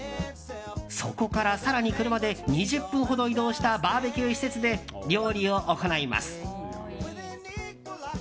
そこから更に車で２０分ほど移動したバーベキュー施設で料理を行います。